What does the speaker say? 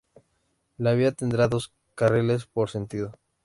La vía tendrá dos carriles por sentido.